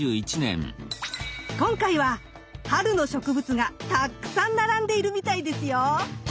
今回は春の植物がたっくさん並んでいるみたいですよ。